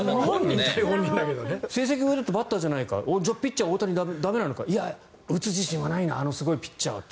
成績はバッターじゃないかピッチャーの大谷だと駄目なのか、打つ自信はないなあのすごいピッチャーは。